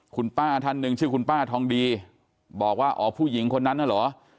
คุณป้าท่านหนึ่งชื่อคุณป้าทองดีบอกว่าอ๋อผู้หญิงคนนั้นน่ะเหรอ